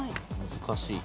難しい。